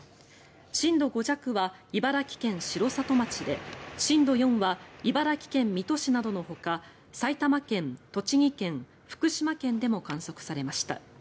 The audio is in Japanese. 震度５弱は茨城県城里町で震度４は茨城県水戸市などのほか埼玉県、栃木県、福島県でも観測されました。